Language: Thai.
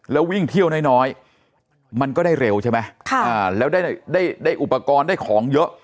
แล้ววิ่งเที่ยวน้อยมันก็ได้เร็วใช่ไหมแล้วได้อุปกรณ์ได้ของเยอะ